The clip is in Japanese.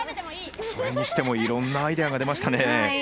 それにしてもいろんなアイデアが出ましたね。